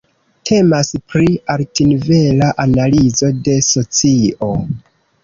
Temas pri altnivela analizo de socio.